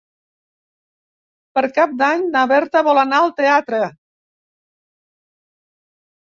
Per Cap d'Any na Berta vol anar al teatre.